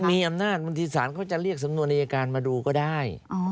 มีอำนาจบางทีศาลก็จะเรียกสำนวนเองนแจกการมาดูก็ได้